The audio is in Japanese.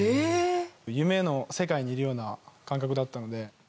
夢の世界にいるような感覚だったので。